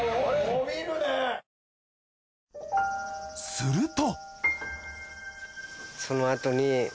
すると。